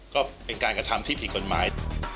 ก็เป็นการกระทำที่ผิดกฎหมาย